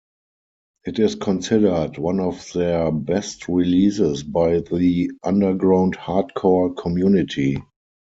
It is considered one of their best releases by the underground hardcore community.